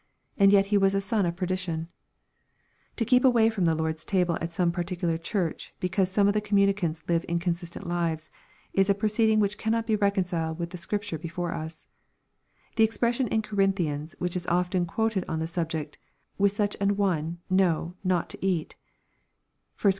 And yet he was a son of perdition I To keep away from the Lord's Table at some particular Church, because some of the communicants live inconsistent lives, is a pro ceeding which cannot be reconciled with the Scripture before ua The expression in Corinthians, which is often quoted on the sub» ject, "with such an one no, not to eat," (1 Cor.